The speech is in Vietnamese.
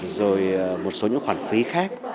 rồi một số những khoản phí khác